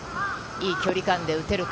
いい距離感で打てるか。